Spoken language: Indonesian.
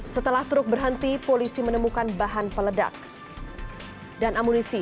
setelah truk berhenti polisi menemukan bahan peledak dan amunisi